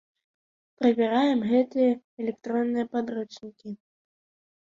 Правяраем гэтыя электронныя падручнікі.